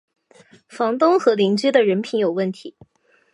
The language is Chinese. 房东和邻居的人品有问题